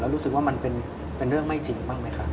รู้สึกว่ามันเป็นเรื่องไม่จริงบ้างไหมคะ